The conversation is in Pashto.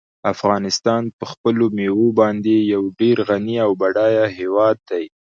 افغانستان په خپلو مېوو باندې یو ډېر غني او بډای هېواد دی.